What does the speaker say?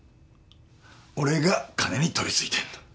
俺が金に取りついてんの。